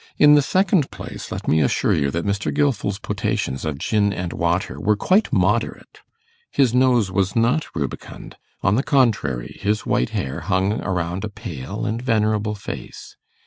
In the second place, let me assure you that Mr. Gilfil's potations of gin and water were quite moderate. His nose was not rubicund; on the contrary, his white hair hung around a pale and venerable face.